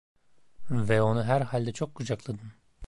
Ve onu herhalde çok kucakladın…